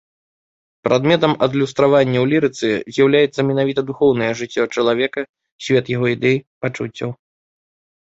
Прадметам адлюстравання ў лірыцы з'яўляецца менавіта духоўнае жыццё чалавека, свет яго ідэй, пачуццяў.